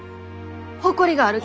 誇りがあるき。